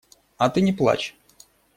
А ты не плачь.